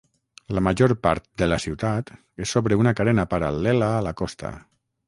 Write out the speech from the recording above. La major part de la ciutat és sobre una carena paral·lela a la costa.